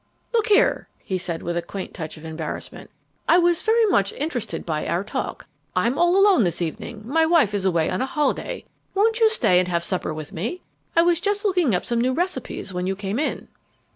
"Look here," he said, with a quaint touch of embarrassment. "I was very much interested by our talk. I'm all alone this evening my wife is away on a holiday. Won't you stay and have supper with me? I was just looking up some new recipes when you came in."